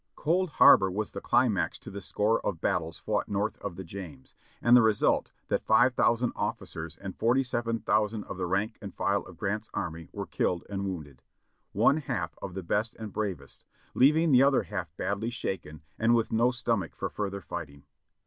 Cold Harbor was the climax to the score of battles fought north of the James, and the result, that five thousand of^cers and forty seven thousand of the rank and file of Grant's army were killed and wounded ; one half of the best and bravest, leaving the other half badly shaken and with no stomach for further fighting.